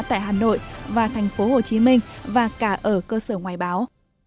tại hà nội và tp hcm và cả ở cơ sở ngoài báo